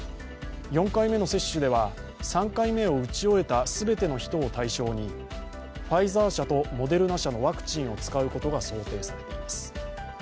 ４回目の接種では、３回目を打ち終えた全ての人を対象にファイザー社とモデルナ社のワクチンを使うことが想定されています。